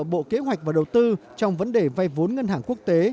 bộ kế hoạch và đầu tư trong vấn đề vay vốn ngân hàng quốc tế